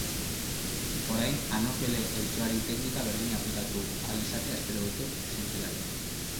Orain anofele eltxoari teknika berdina aplikatu ahal izatea espero dute zientzialariek.